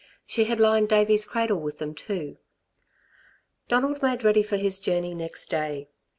She had lined Davey's cradle with them, too. Donald made ready for his journey next day.